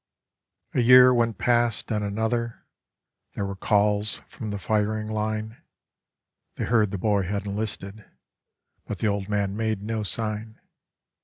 A year went past and another. There were calls from the firing line; They heard the boy had enlisted, but the old man made no sign.